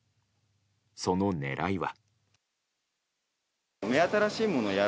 その狙いは。